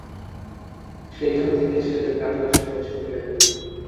সেইখান থেকে ছেলের কান্না শুনে ছুটে এলেন।